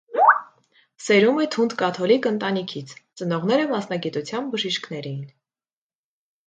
Սերում է թունդ կաթոլիկ ընտանիքից, ծնողները մասնագիտությամբ բժիշկներ էին։